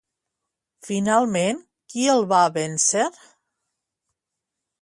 Finalment, qui el va vèncer?